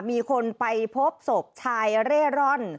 มีคนไปพบศพชายเร่ร่อน